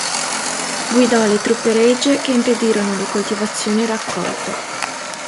Guidò le truppe regie che impedirono le coltivazioni e il raccolto.